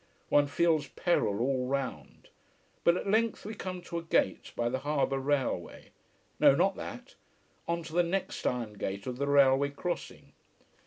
One feels peril all round. But at length we come to a gate by the harbour railway. No, not that. On to the next iron gate of the railway crossing.